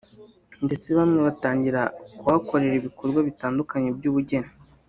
ndetse bamwe batangira kuhakorera ibikorwa bitandukanye by’ubugeni